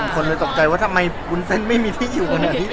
คนเลยตกใจว่าทำไมคุณเซ็นต์ไม่มีที่อยู่ไหน